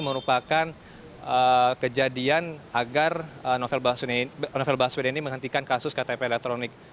merupakan kejadian agar novel baswedan ini menghentikan kasus ktp elektronik